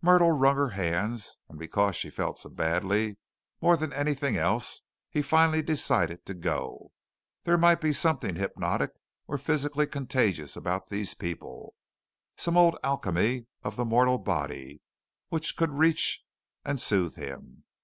Myrtle wrung her hands, and because she felt so badly more than anything else, he finally decided to go. There might be something hypnotic or physically contagious about these people some old alchemy of the mortal body, which could reach and soothe him.